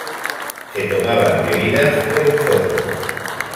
Se tomaban bebidas o en chorros.